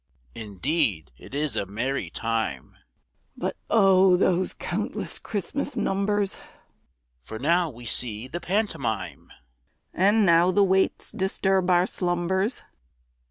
_) Indeed it is a merry time; (But O! those countless Christmas numbers!) For now we see the pantomime, (_And now the waits disturb our slumbers.